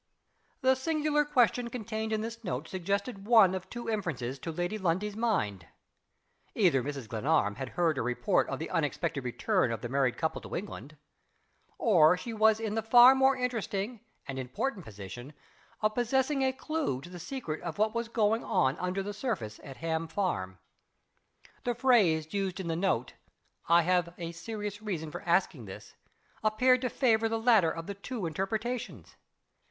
The singular question contained in this note suggested one of two inferences to Lady Lundie's mind. Either Mrs. Glenarm had heard a report of the unexpected return of the married couple to England or she was in the far more interesting and important position of possessing a clew to the secret of what was going on under the surface at Ham Farm. The phrase used in the note, "I have a serious reason for asking this," appeared to favor the latter of the two interpretations.